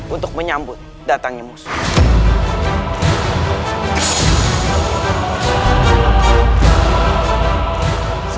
untuk menyambut datangnya musuh